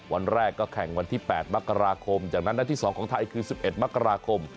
วันแรกก็แข่งวันที่แปดมกราคมจากนั้นวันที่สองของไทยคือสิบเอ็ดมกราคม